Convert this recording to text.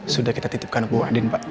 sudah kita titipkan keuangan pak